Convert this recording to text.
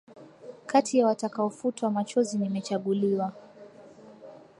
Kati ya watakaofutwa machozi nimechaguliwa